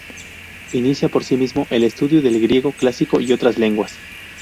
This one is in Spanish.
Inicia por sí mismo el estudio del griego clásico y otras lenguas.